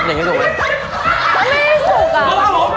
เออ